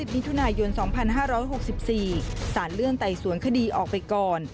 มิถุนายน๒๕๖๔สารเลื่อนไต่สวนคดีออกไปก่อน